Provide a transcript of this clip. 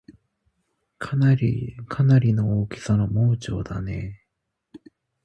かなりの大きさの盲腸だねぇ